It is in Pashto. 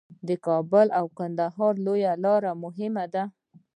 د کابل او کندهار لویه لار مهمه ده